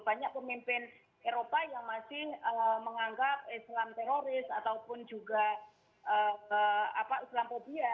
banyak pemimpin eropa yang masih menganggap islam teroris ataupun juga islamopia